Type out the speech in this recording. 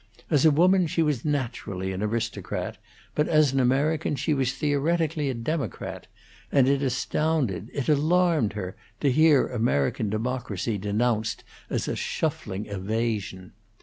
As a woman she was naturally an aristocrat, but as an American she was theoretically a democrat; and it astounded, it alarmed her, to hear American democracy denounced as a shuffling evasion.